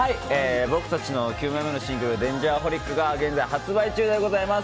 僕たちの９枚目のシングル「Ｄａｎｇｅｒｈｏｌｉｃ」が現在発売中でございます。